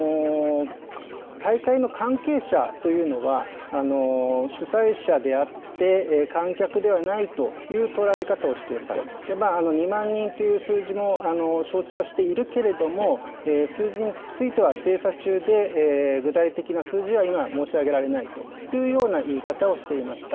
大会の関係者というのは、主催者であって、観客ではないという捉え方をしていると、２万人という数字も承知はしているけれども、数字については精査中で、具体的な数字は、今、申し上げられないというような言い方をしていました。